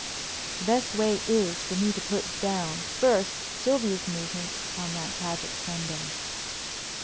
The best way is for me to put down first Sylvia's movements on that tragic Sunday.